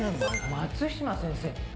沫嶋先生